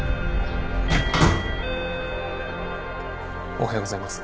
おはようございます。